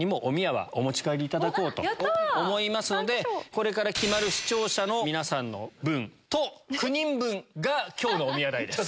これから決まる視聴者の皆さんの分と９人分が今日のおみや代です。